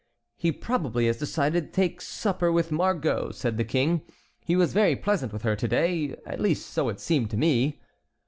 "He probably has decided to take supper with Margot," said the King. "He was very pleasant with her to day, at least so it seemed to me."